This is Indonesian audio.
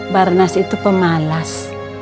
barnas itu pemalas